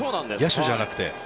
野手じゃなくて。